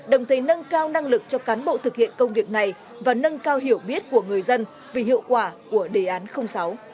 đồng thời nâng cao năng lực cho cán bộ thực hiện công việc này và nâng cao hiểu biết của người dân về hiệu quả của đề án sáu